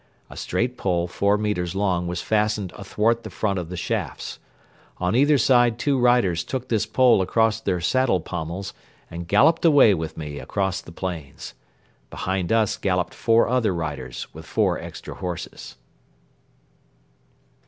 A straight pole four metres long was fastened athwart the front of the shafts. On either side two riders took this pole across their saddle pommels and galloped away with me across the plains. Behind us galloped four other riders with four extra horses.